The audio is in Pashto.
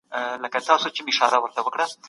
پښتو ژبه زموږ د اروا او تن سکون دی